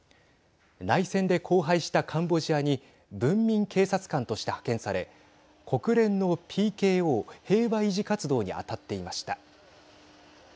内戦で荒廃したカンボジアに文民警察官として派遣され国連のＰＫＯ＝平和維持活動に当たっていました。